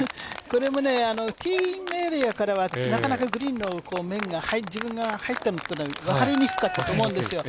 これもティーイングエリアからは、なかなかグリーンの面が自分が入ったのが分かりにくかったと思うんですよ。